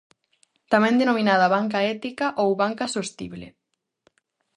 Tamén denominada "banca ética" ou "banca sostible".